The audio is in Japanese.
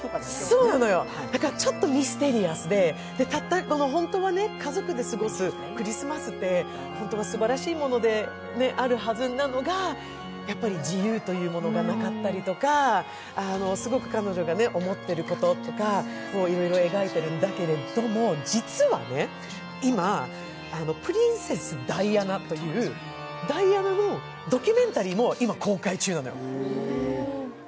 ちょっとミステリアスで、ホントは家族で過ごすクリスマスってすばらしいものであるはずなのが自由というものがなかったりとか、すごく彼女が思っていることとかいろいろ描いてるんだけれども実はね、今、「プリンセス・ダイアナ」というダイアナのドキュメンタリーも今、公開中なのよ。